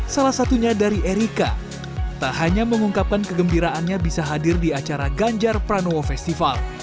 salah satunya dari erika tak hanya mengungkapkan kegembiraannya bisa hadir di acara ganjar pranowo festival